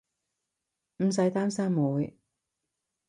唔使擔心我